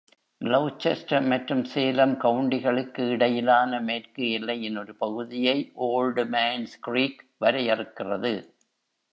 Gloucester மற்றும் Salem கவுன்டிகளுக்கு இடையிலான மேற்கு எல்லையின் ஒரு பகுதியை Oldmans Creek வரையறுக்கிறது.